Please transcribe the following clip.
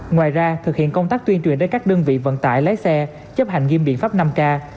ngoài ra thực hiện công tác tuyên truyền đến các đơn vị vận tải lái xe chấp hành nghiêm biện pháp năm k